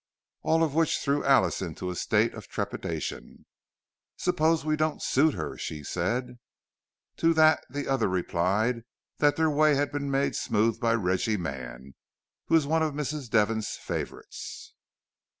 All of which threw Alice into a state of trepidation. "Suppose we don't suit her!" she said. To that the other replied that their way had been made smooth by Reggie Mann, who was one of Mrs. Devon's favourites.